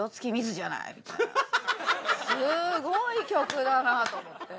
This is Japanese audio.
すごい曲だなと思って。